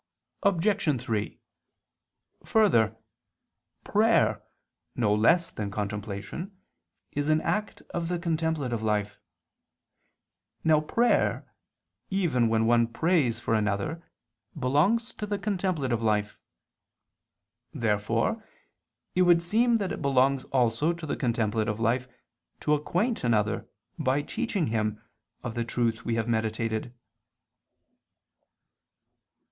Obj. 3: Further, prayer, no less than contemplation, is an act of the contemplative life. Now prayer, even when one prays for another, belongs to the contemplative life. Therefore it would seem that it belongs also to the contemplative life to acquaint another, by teaching him, of the truth we have meditated.